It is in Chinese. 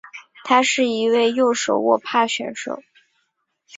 他是一位右手握拍选手。